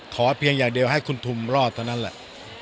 เพียงอย่างเดียวให้คุณทุมรอดเท่านั้นแหละ